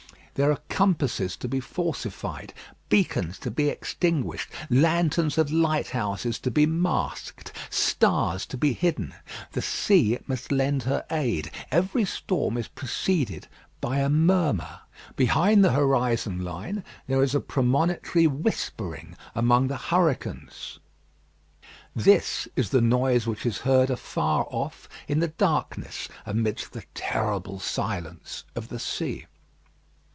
There are compasses to be falsified, beacons to be extinguished, lanterns of lighthouses to be masked, stars to be hidden. The sea must lend her aid. Every storm is preceded by a murmur. Behind the horizon line there is a premonitory whispering among the hurricanes. This is the noise which is heard afar off in the darkness amidst the terrible silence of the sea.